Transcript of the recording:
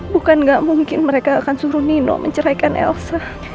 bukan gak mungkin mereka akan suruh nino menceraikan elsa